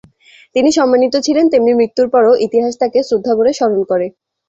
তিনি সম্মানিত ছিলেন, তেমনি মৃত্যুর পরও ইতিহাস তাকে শ্রদ্ধাভরে স্মরণ করে।